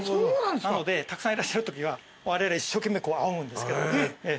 なのでたくさんいらっしゃるときはわれわれ一生懸命あおぐんですけど。